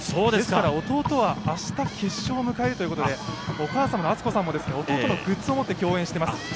ですから弟は明日決勝を迎えるということで、お母さんのアツコさんも弟もグッズを持って今日、応援しています。